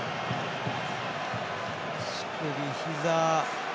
足首、ひざ。